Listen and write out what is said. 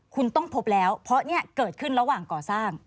คุณต้องพบแล้วเพราะเนี่ยเกิดขึ้นระหว่างก่อสร้าง